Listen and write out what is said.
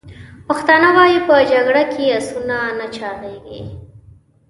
پښتانه وایي: « په جګړه کې اسونه نه چاغیږي!»